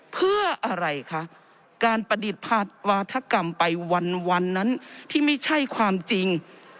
เพื่ออะไรคะการประดิษฐ์วาธกรรมไปวันนั้นที่ไม่ใช่ความจริง